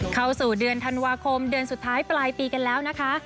เข้าสู่เดือนธันวาคมเดือนสุดท้ายปลายปีกันแล้วนะคะ